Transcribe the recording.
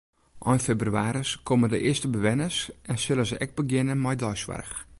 Ein febrewaris komme de earste bewenners en sille se ek begjinne mei deisoarch.